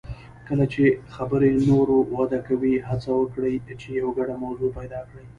کله چې خبرې نوره وده کوي، هڅه وکړئ چې یو ګډه موضوع پیدا کړئ.